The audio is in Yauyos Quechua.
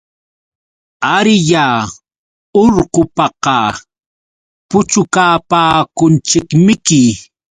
Ariyá urqupaqa puchukapakunchikmiki.